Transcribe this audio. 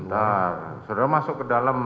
ntar saudara masuk ke dalam